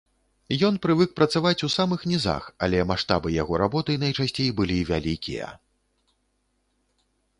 Ён прывык працаваць у самых нізах, але маштабы яго работы найчасцей былі вялікія.